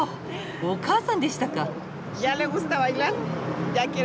お母さんでしたか。